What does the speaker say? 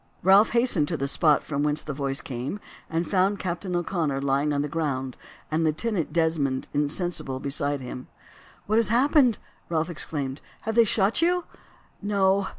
Ralph hastened to the spot from whence the voice came, and found Captain O'Connor lying on the ground, and Lieutenant Desmond insensible beside him. "What has happened?" Ralph exclaimed. "Have they shot you?" "No.